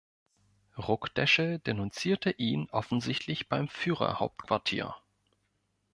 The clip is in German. Ruckdeschel denunzierte ihn offensichtlich beim Führerhauptquartier.